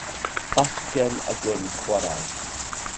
Bachgen â gwn chwarae.